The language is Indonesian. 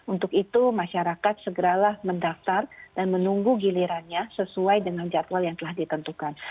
untuk itu masyarakat segeralah mendaftar dan menunggu gilirannya sesuai dengan jadwal yang telah ditentukan